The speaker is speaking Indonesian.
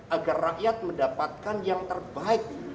agar rakyat mendapatkan yang terbaik